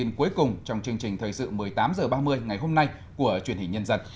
thông tin cuối cùng trong chương trình thời sự một mươi tám h ba mươi ngày hôm nay của truyền hình nhân dân